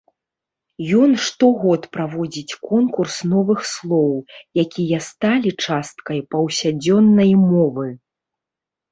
Ён штогод праводзіць конкурс новых слоў, якія сталі часткай паўсядзённай мовы.